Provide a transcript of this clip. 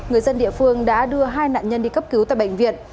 người dân địa phương đã đưa hai nạn nhân đi cấp cứu tại bệnh viện